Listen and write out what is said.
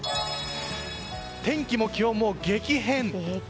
天気も気温も激変。